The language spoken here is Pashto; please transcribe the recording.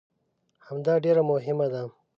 همدا ډېره مهمه ده.